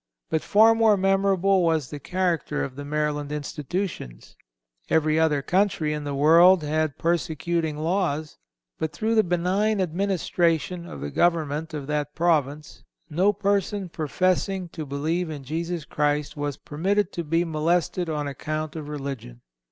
But far more memorable was the character of the Maryland institutions. Every other country in the world had persecuting laws; but through the benign administration of the government of that province, no person professing to believe in Jesus Christ was permitted to be molested on account of religion.